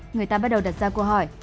người ta bắt đầu đặt ra câu hỏi